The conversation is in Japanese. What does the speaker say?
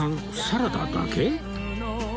サラダだけ？